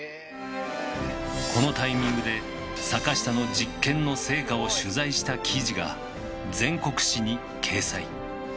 このタイミングで坂下の実験の成果を取材した記事が全国紙に掲載。